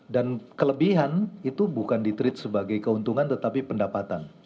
dan kelebihan itu bukan ditreat sebagai keuntungan tetapi pendapatan